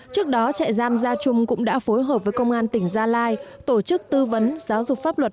trước đó trại giam gia trung cũng đã phối hợp với công an tỉnh gia lai tổ chức tư vấn giáo dục pháp luật